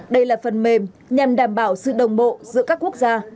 đây là phần mềm nhằm đảm bảo sự đồng bộ giữa các quốc gia